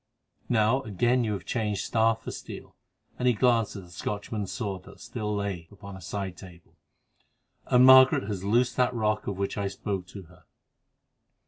Now, again you have changed staff for steel," and he glanced at the Scotchman's sword that still lay upon a side table, "and Margaret has loosed that rock of which I spoke to her."